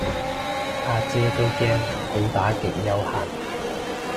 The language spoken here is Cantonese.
呀姐都驚好打極有限